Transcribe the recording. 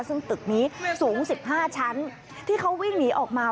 ซึ่งตึกนี้สูง๑๕ชั้นที่เขาวิ่งหนีออกมา